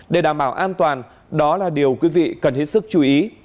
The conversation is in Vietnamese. để đảm bảo an toàn đó là điều quý vị cần hết sức chú ý